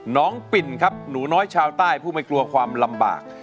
ปิ่นครับหนูน้อยชาวใต้ผู้ไม่กลัวความลำบาก